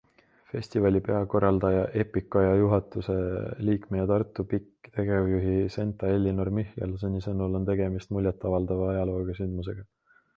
Festivali peakorraldaja, EPIKoja juhatuse liikme ja Tartu PIK tegevjuhi Senta-Ellinor Michelsoni sõnul on tegemist muljetavaldava ajalooga sündmusega.